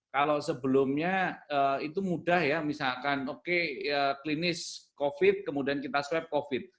kalau sebelumnya itu mudah ya misalkan oke klinis covid kemudian kita swab covid